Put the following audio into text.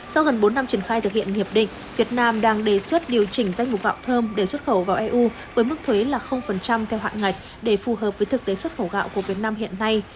sau gần bốn năm triển khai thực hiện hiệp định việt nam đang đề xuất điều chỉnh danh mục gạo thơm để xuất khẩu vào eu với mức thuế là theo hạn ngạch để phù hợp với thực tế xuất khẩu gạo của việt nam hiện nay